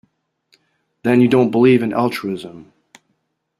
Then you don't believe in altruism.